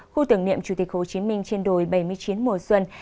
khu tưởng niệm chủ tịch hồ chí minh trên đồi bảy mươi chín mùa xuân